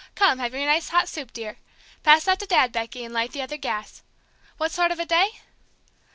"Come, have your nice hot soup, dear. Pass that to Dad, Becky, and light the other gas. What sort of a day?"